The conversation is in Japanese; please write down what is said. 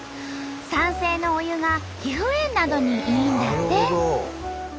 酸性のお湯が皮膚炎などにいいんだって。